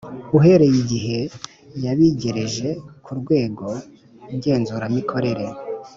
uhereye igihe yabigereje ku rwego ngenzuramikorere.